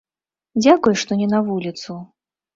Дзякуй, што не на вуліцу.